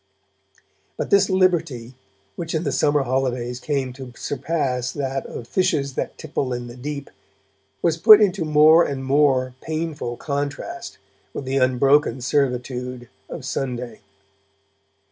But this liberty, which in the summer holidays came to surpass that of 'fishes that tipple in the deep', was put into more and more painful contrast with the unbroken servitude of Sunday.